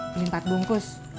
beli empat bungkus